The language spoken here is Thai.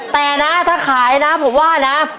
แต่นะถ้าขายนะผมว่านะ